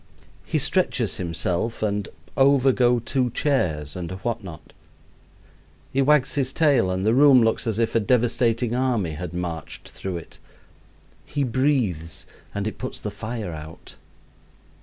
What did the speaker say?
He stretches himself, and over go two chairs and a what not. He wags his tail, and the room looks as if a devastating army had marched through it. He breathes, and it puts the fire out.